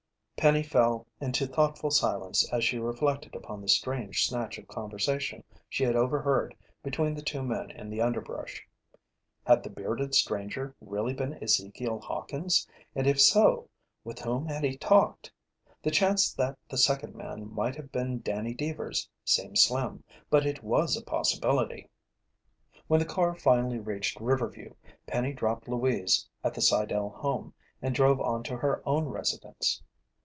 Penny fell into thoughtful silence as she reflected upon the strange snatch of conversation she had overheard between the two men in the underbrush. Had the bearded stranger really been Ezekiel Hawkins, and if so, with whom had he talked? The chance that the second man might have been Danny Deevers seemed slim, but it was a possibility. When the car finally reached Riverview, Penny dropped Louise at the Sidell home and drove on to her own residence.